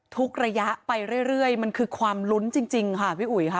ระยะไปเรื่อยมันคือความลุ้นจริงค่ะพี่อุ๋ยค่ะ